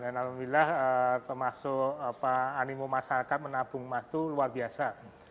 alhamdulillah termasuk animo masyarakat menabung emas itu luar biasa